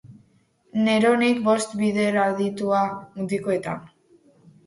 Neronek bost bider aditua, mutikotan.